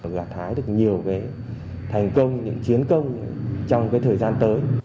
gạt thái được nhiều thành công những chiến công trong thời gian tới